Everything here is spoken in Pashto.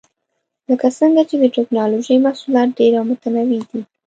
لکه څنګه چې د ټېکنالوجۍ محصولات ډېر او متنوع دي.